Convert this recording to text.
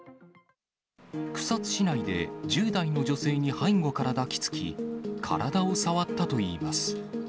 草津市内で１０代の女性に背後から抱きつき、体を触ったといいます。